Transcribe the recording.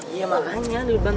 iya makanya lo bantu